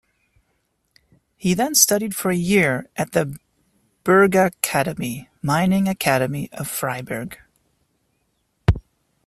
He then studied for a year at the Bergakademie, Mining Academy of Freiburg.